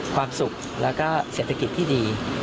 ความสุขแล้วก็เศรษฐกิจที่ดี